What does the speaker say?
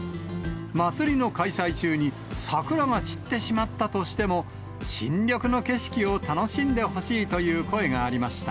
まつりの開催中に桜が散ってしまったとしても、新緑の景色を楽しんでほしいという声がありました。